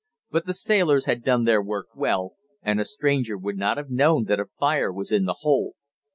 But the sailors had done their work well, and a stranger would not have known that a fire was in the hold.